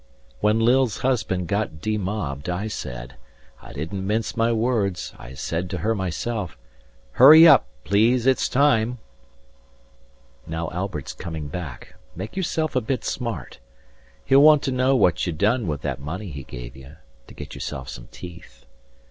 When Lil's husband got demobbed, I said, I didn't mince my words, I said to her myself, 140 HURRY UP PLEASE ITS TIME Now Albert's coming back, make yourself a bit smart. He'll want to know what you done with that money he gave you To get yourself some teeth.